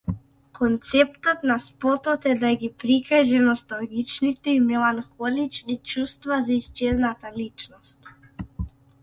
Концептот на спотот е да ги прикаже носталгичните и меланхолични чувства за исчезната личност.